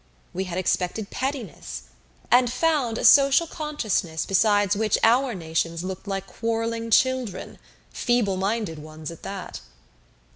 We had expected pettiness, and found a social consciousness besides which our nations looked like quarreling children feebleminded ones at that.